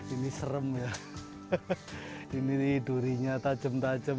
ini serem ya ini durinya tajam tajam